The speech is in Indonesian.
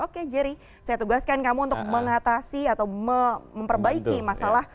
oke jerry saya tugaskan kamu untuk mengatasi atau memperbaiki masalah